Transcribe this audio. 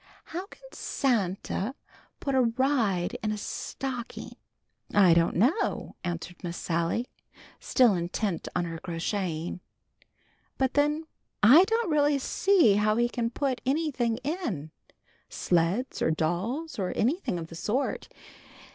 "How can Santa put a ride in a stocking?" "I don't know," answered Miss Sally, still intent on her crocheting. "But then I don't really see how he can put anything in; sleds or dolls or anything of the sort.